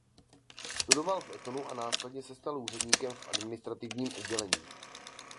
Studoval v Etonu a následně se stal úředníkem v administrativním oddělení.